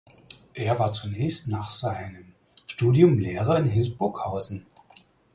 Er war zunächst nach seinem Studium Lehrer in Hildburghausen.